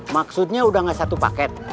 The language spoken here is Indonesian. maksudnya udah gak satu paket